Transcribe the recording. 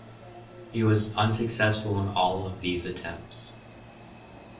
He was unsuccessful in all of these attempts.